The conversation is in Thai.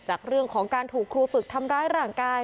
จากเรื่องของการถูกครูฝึกทำร้ายร่างกาย